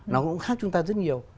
nó cũng khác với chúng ta rất nhiều